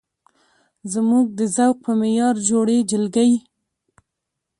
زموږ د ذوق په معیار جوړې جلکۍ